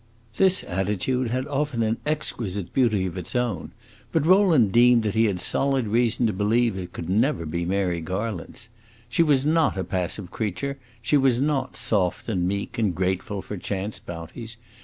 This attitude had often an exquisite beauty of its own, but Rowland deemed that he had solid reason to believe it never could be Mary Garland's. She was not a passive creature; she was not soft and meek and grateful for chance bounties.